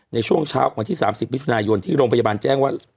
ในช่วงเช้าของวันที่๓๐มิถุนายนที่โรงพยาบาลแจ้งว่า